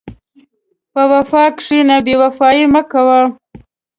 په وفا کښېنه، بېوفایي مه کوه.